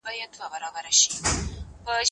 زه پرون مېوې وچولې؟!